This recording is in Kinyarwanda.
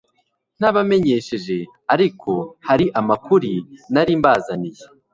ntabamenyesheje ariko hari amakuri nari mbazaniye